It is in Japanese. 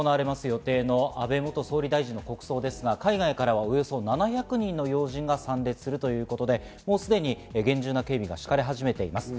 予定の安倍元総理大臣の国葬ですが、海外からおよそ７００人の要人が参列するということで、もうすでに厳重な警備が敷かれ始めています。